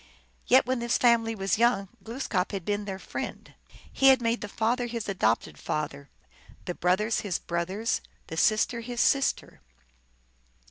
Yet when this family \vas young, Glooskap had been their friend ; he had made the father his adopted father, the brothers his brothers, the sister his sister.